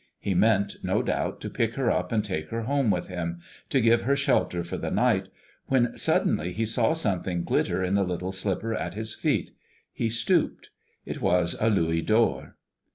He meant, no doubt, to pick her up and take her home with him, to give her shelter for the night, when suddenly he saw something glitter in the little slipper at his feet. He stooped. It was a louis d'or.